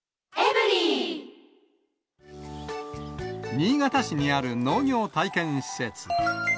新潟市にある農業体験施設。